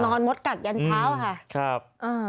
ไม่งั้นนอนมดกัดยันเช้าค่ะครับ